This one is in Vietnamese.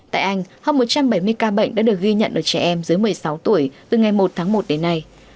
tại anh hơn một trăm bảy mươi ca bệnh đã được ghi nhận ở trẻ em dưới một mươi sáu tuổi từ ngày một tháng một đến nay